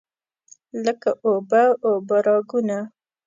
لکه اوبه، اوبه راګونه